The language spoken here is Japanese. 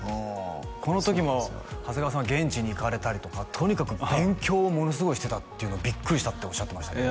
この時も長谷川さんは現地に行かれたりとかとにかく勉強をものすごいしてたっていうのをビックリしたっておっしゃってましたね